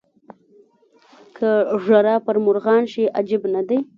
که ژړا پر مرغان شي عجب نه دی.